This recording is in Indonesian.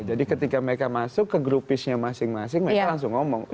jadi ketika mereka masuk ke groupishnya masing masing mereka langsung ngomong